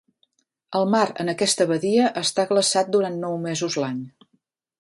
El mar en aquesta badia està glaçat durant nou mesos l'any.